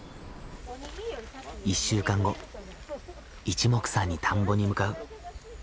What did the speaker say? １週間後いちもくさんに田んぼに向かう。